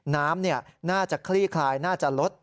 น้ำน่าจะคลี่คลายน่าจะลด